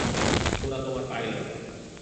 ওরা তোমার পাইলট।